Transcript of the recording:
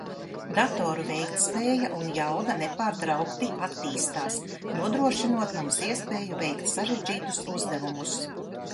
Datoru veiktspēja un jauda nepārtraukti attīstās, nodrošinot mums iespēju veikt sarežģītus uzdevumus.